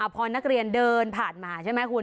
พอนักเรียนเดินผ่านมาใช่ไหมคุณ